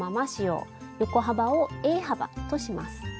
横幅をＡ幅とします。